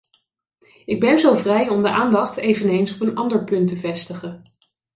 Ik ben zo vrij om de aandacht eveneens op een ander punt te vestigen.